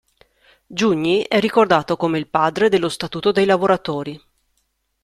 Giugni è ricordato come il "padre" dello Statuto dei lavoratori.